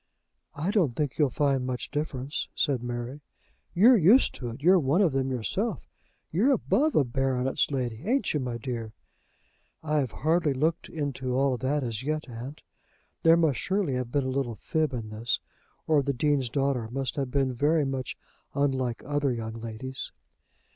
"I don't think you'll find much difference," said Mary. "You're used to it. You're one of them yourself. You're above a baronet's lady, ain't you, my dear?" "I have hardly looked into all that as yet, aunt." There must surely have been a little fib in this, or the Dean's daughter must have been very much unlike other young ladies.